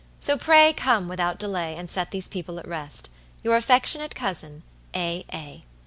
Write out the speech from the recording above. So pray come without delay, and set these people at rest. Your affectionate cousin, A.A."